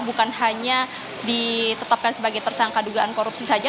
bukan hanya ditetapkan sebagai tersangka dugaan korupsi saja